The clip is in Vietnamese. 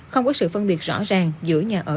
không có sự phân biệt rõ ràng giữa nhà ở